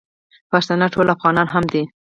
پښتانه ټول افغانان هم دي.